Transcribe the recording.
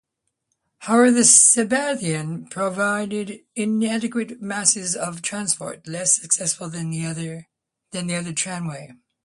However, the Stadtbahn proved inadequate for mass transport, less successful than the tramway.